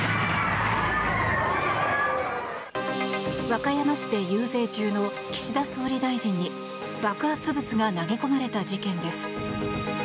和歌山市で遊説中の岸田総理大臣に爆発物が投げ込まれた事件です。